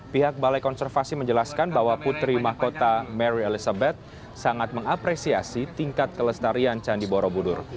pihak balai konservasi menjelaskan bahwa putri mahkota mary elizabeth sangat mengapresiasi tingkat kelestarian candi borobudur